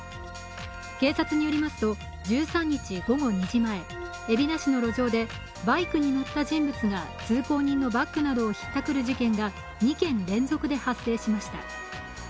警察によりますと１３日午後２時前、海老名市の路上でバイクに乗った人物が通行人のバッグなどをひったくる事件が２件連続で発生しました。